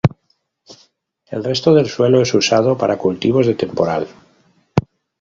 El resto del suelo es usado para cultivos de temporal.